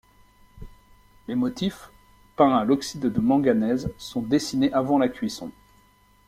Les motifs, peints à l'oxyde de manganèse, sont dessinés avant la cuisson.